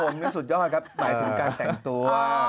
ผมนี่สุดยอดครับหมายถึงการแต่งตัว